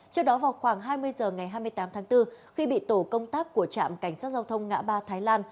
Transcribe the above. trước đó vào khoảng hai mươi h ngày hai mươi tám tháng bốn khi bị tổ công tác của trạm cảnh sát giao thông ngã ba thái lan